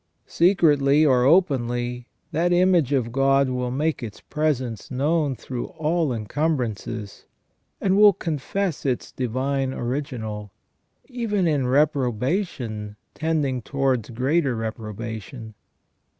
Secretly or openly, that image of God will make its presence known through all encumbrances, and will confess its Divine Original, even in reprobation tending towards greater reprobation.